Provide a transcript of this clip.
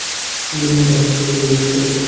তাঁহার কাশী যাওয়া হইবে না।